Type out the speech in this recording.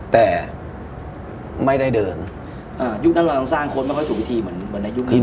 แต่ไม่ได้เดินอ่ายุคนั้นเราต้องสร้างโค้ชไม่ค่อยถูกพิธีเหมือนอยู่ในยุคของเรา